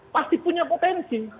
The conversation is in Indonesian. pasti punya potensi